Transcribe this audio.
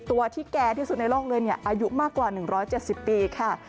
ตัวที่แก่ที่สุดในโลกเลยอายุมากกว่า๑๗๐ปีค่ะ